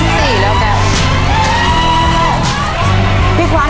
โทษทีครับ